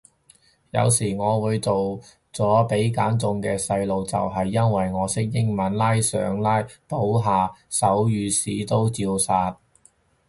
有時我會做咗被揀中嘅細路就係因為我識英文，拉上補下手語屎都照殺